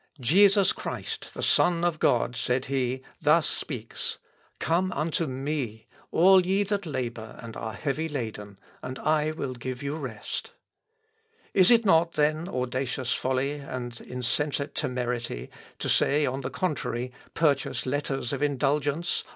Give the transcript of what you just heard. "Jesus Christ, the Son of God," said he, "thus speaks, 'Come unto ME, all ye that labour and are heavy laden, and I will give you rest.' Is it not then audacious folly and insensate temerity to say on the contrary, Purchase letters of indulgence!